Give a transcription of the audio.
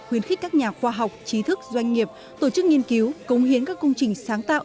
khuyến khích các nhà khoa học trí thức doanh nghiệp tổ chức nghiên cứu công hiến các công trình sáng tạo